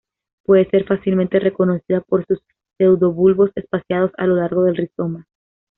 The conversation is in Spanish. Puede ser fácilmente reconocida por sus pseudobulbos espaciados a lo largo del rizoma.